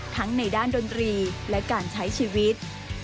ในด้านดนตรีและการใช้ชีวิต